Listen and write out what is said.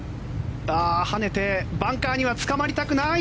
跳ねて、バンカーにはつかまりたくない！